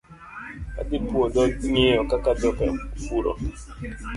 Adhii puodho ngiyo kaka joka opuro.